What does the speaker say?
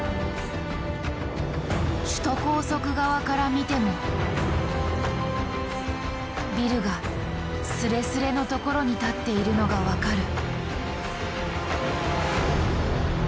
首都高速側から見てもビルがスレスレの所に立っているのが分かる。